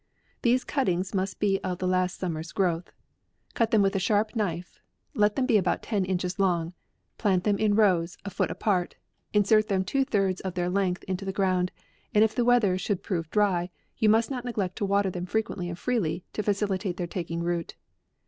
These cuttings must be df the last summer's growth, Cut them with APRIL. 47 a sharp knife ; let them be about ten inches long ; plant them in rows, a foot apart ; in sert them two thirds of their length into the ground; and if the weather should prove dry, you must not neglect to water them fre quently and freely, to facilitate their taking root.